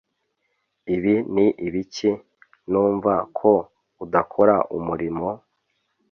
ibi ni ibiki numva ko udakora umurimo,